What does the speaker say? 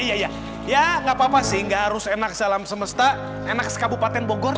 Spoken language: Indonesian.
iya iya iya nggak papa sih enggak harus enak salam semesta enak kabupaten bogor